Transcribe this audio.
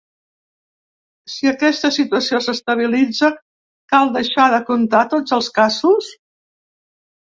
Si aquesta situació s’estabilitza, cal deixar de comptar tots els casos?